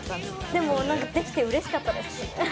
でも、できてうれしかったです。